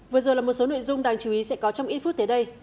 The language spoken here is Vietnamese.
vừa rồi là một số nội dung đáng chú ý sẽ có trong ít phức tế đặc biệt